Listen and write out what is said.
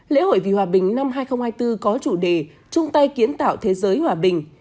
lễ hội vì hòa bình năm hai nghìn hai mươi bốn có chủ đề trung tây kiến tạo thế giới hòa bình